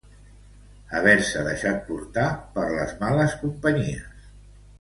Haver-se deixat portar per les males companyies